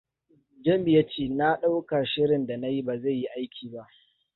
Jami ya ce ya ɗauka shirin da na yi ba zai yi aiki ba.